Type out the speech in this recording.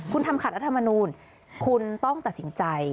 คุณทำขัดรัฐมนูลคุณต้องตัดสินใจ